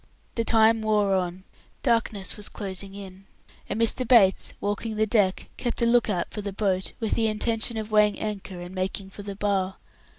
The time wore on. Darkness was closing in, and Mr. Bates, walking the deck, kept a look out for the boat, with the intention of weighing anchor and making for the Bar.